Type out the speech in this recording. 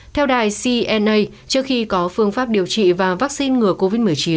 theo đài cna trước khi có phương pháp điều trị và vaccine ngừa covid một mươi chín